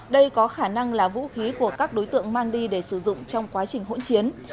đây có khả năng là vũ khí của các đối tượng mang đi để sử dụng trong quá trình hỗn chiến